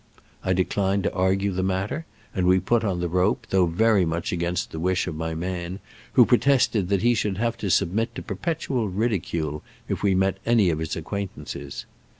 I declined to argue the matter, and we put on the rope, though very much against the wish of my man, who protested that he should have to submit to perpetual ridicule if we met any of his acquaintances.